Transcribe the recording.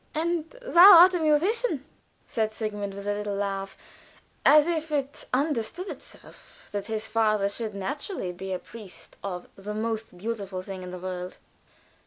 "And thou art a musician," said Sigmund, with a little laugh, as if it "understood itself" that his father should naturally be a priest of "the most beautiful thing in the world."